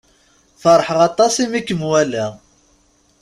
Feṛḥeɣ aṭas i mi kem-walaɣ.